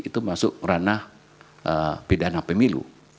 itu masuk ranah pidana pemilu